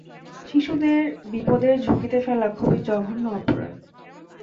শিশুদেরকে বিপদের ঝুঁকিতে ফেলা খুবই জঘন্য অপরাধ।